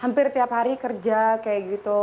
hampir tiap hari kerja kayak gitu